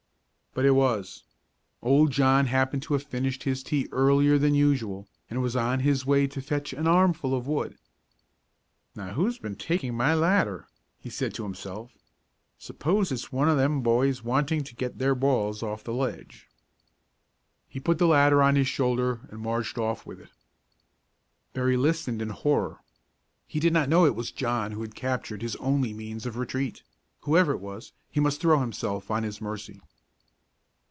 But it was. Old John happened to have finished his tea earlier than usual, and was on his way to fetch an armful of wood. "Now, who's been taking my ladder!" he said to himself. "Suppose it's one of them boys wanting to get their balls off the ledge." He put the ladder on his shoulder and marched off with it. Berry listened in horror. He did not know it was John who had captured his only means of retreat; whoever it was, he must throw himself on his mercy.